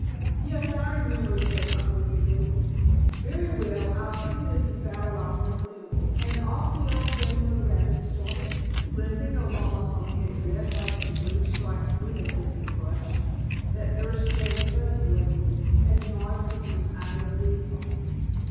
"Yes, I remember," said Uncle Wiggily. "Very well, I'll give Mrs. Bow Wow her thimble," and off the old gentleman rabbit started, limping along on his red, white and blue striped rheumatism crutch, that Nurse Jane Fuzzy Wuzzy had gnawed for him out of a bean pole.